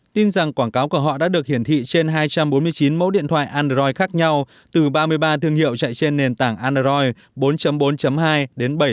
tin rằng quảng cáo của họ đã được hiển thị trên hai trăm bốn mươi chín mẫu điện thoại android khác nhau từ ba mươi ba thương hiệu chạy trên nền tảng android bốn hai đến bảy